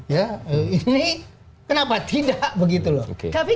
ya ini kenapa tidak begitu loh